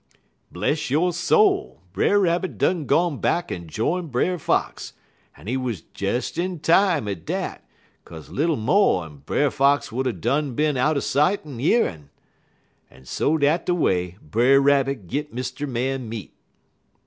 "Bless yo' soul, Brer Rabbit done gone back en jine Brer Fox, en he wuz des in time, at dat, 'kaze little mo' en Brer Fox would 'a' done bin outer sight en yearin'. En so dat de way Brer Rabbit git Mr. Man meat."